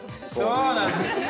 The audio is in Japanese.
◆そうなんですよ。